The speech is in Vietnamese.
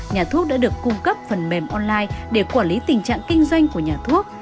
nhà thuốc đã được cung cấp phần mềm online để quản lý tình trạng kinh doanh của nhà thuốc